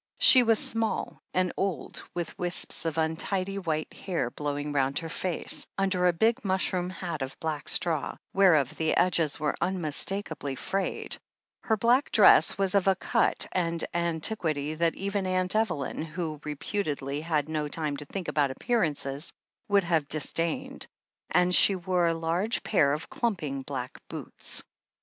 She was small and old, with wisps of untidy white hair blowing round her face, under a big mushroom hat of black straw, whereof the edges were unmistak ably frayed, her black dress was of a cut and antiquity that even Aunt Evelyn, who reputedly "had no time to think about appearances," would have disdained, and she wore a large pair of clumping black boots.